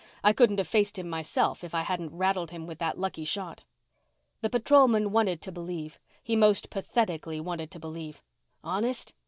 I couldn't have faced him myself if I hadn't rattled him with that lucky shot." The patrolman wanted to believe. He most pathetically wanted to believe. "Honest?"